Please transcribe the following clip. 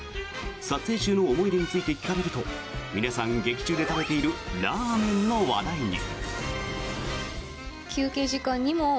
撮影中の思い出について聞かれると皆さん、劇中で食べているラーメンの話題に。